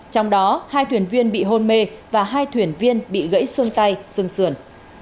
trong đó hai thuyền viên bị hôn mê và hai thuyền viên bị gãy xương tay xương sườn